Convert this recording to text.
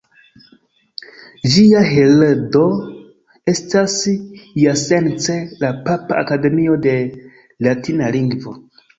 Ĝia heredo estas iasence la Papa Akademio de Latina Lingvo.